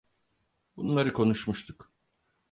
Bunları konuşmuştuk.